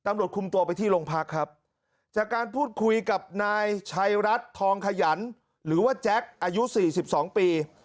ตำรวจคุมตัวไปที่โรงพักครับจากการพูดคุยกับนายชัยรัฐทองขยันหรือว่าแจ๊คอายุสี่สิบสองปี